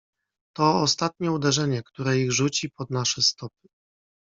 "To ostatnie uderzenie, które ich rzuci pod nasze stopy."